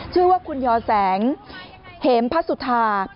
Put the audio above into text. ชื่อว่าคุณยอแสงเหมพระสุธา